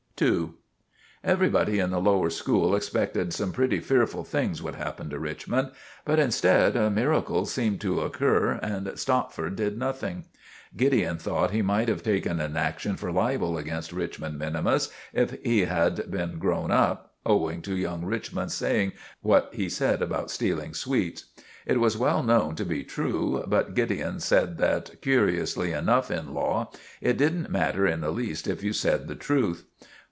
*II* Everybody in the lower school expected some pretty fearful things would happen to Richmond, but instead a miracle seemed to occur and Stopford did nothing. Gideon thought that he might have taken an action for libel against Richmond minimus if he had been grown up, owing to young Richmond's saying what he said about stealing sweets. It was well known to be true, but Gideon said that, curiously enough in law it didn't matter in the least if you said the truth.